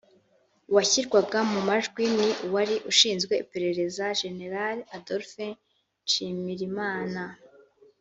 Uwashyirwaga mu majwi ni uwari ushinzwe iperereza Jenerali Adolphe Nshimirimana